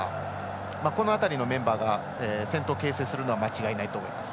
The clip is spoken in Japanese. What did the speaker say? この辺りのメンバーが先頭を形成するのは間違いないと思います。